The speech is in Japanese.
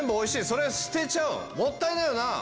それを捨てちゃうもったいないよな。